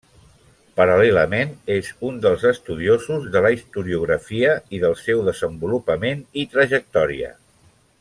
Paral·lelament és un dels estudiosos de la historiografia i del seu desenvolupament i trajectòria.